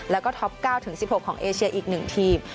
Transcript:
แล้วก็ท็อป๙๑๖ของเอเชียอีก๑ทีม